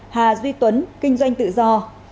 ba hà duy tuấn kinh doanh tự do